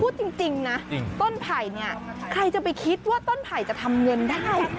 พูดจริงนะต้นไผ่เนี่ยใครจะไปคิดว่าต้นไผ่จะทำเงินได้